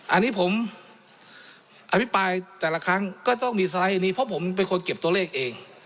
อันนี้ผมอภิปรายแต่ละครั้งก็ต้องมีสไลด์อันนี้เพราะผมเป็นคนเก็บตัวเลขเอง